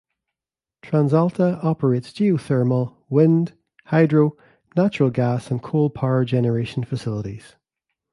TransAlta operates geothermal, wind, hydro, natural gas and coal power generation facilities.